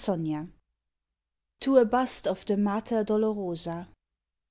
74 TO A BUST OF THE MATER DOLOROSA